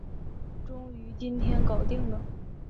终于今天搞定了